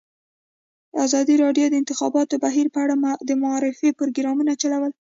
ازادي راډیو د د انتخاباتو بهیر په اړه د معارفې پروګرامونه چلولي.